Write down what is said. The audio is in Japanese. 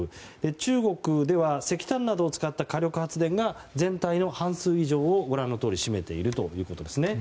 中国では石炭などを使った火力発電が全体の半数以上を占めているということですね。